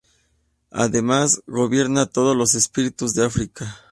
Además gobierna a todos los espíritus de África.